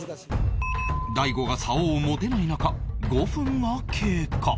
大悟が竿を持てない中５分が経過